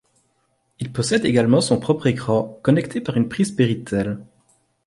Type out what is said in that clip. Il possède également son propre écran connecté par une prise Péritel.